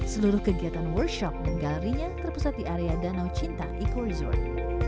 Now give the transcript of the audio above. seluruh kegiatan workshop dan galerinya terpusat di area danau cinta eco resort